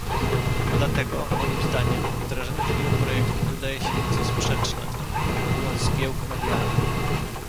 Dlatego, moim zdaniem, wdrażanie takiego projektu wydaje się nieco sprzeczne, powodując zgiełk medialny